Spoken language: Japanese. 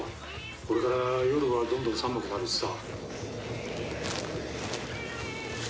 これから夜はどんどん寒くなるしさ。